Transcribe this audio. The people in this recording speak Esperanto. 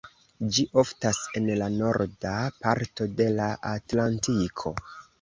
Ĝi oftas en la norda parto de la atlantiko.